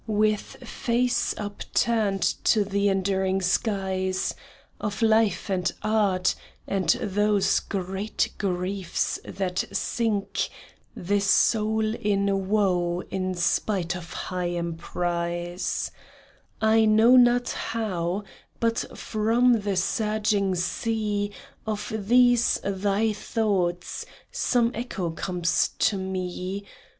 With face upturned to the enduring skies, Of life and art, and those great griefs that sink The soul in woe in spite of high emprise — I know not how, but from the surging sea Of these thy thoughts, some echo comes to me.